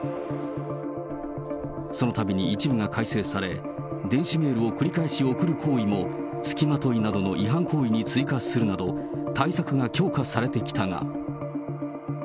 そのたびに一部が改正され、電子メールを繰り返し送る行為もつきまといなどの違反行為に追加するなど、対策が強化されてきたが。